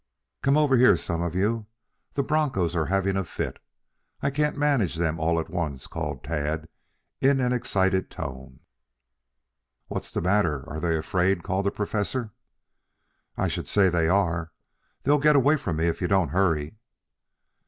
"Come over here, some of you. The bronchos are having a fit. I can't manage all of them at once," called Tad in an excited tone. "What's the matter are they afraid?" called the Professor. "I should say they are. They'll get away from me if you don't hurry."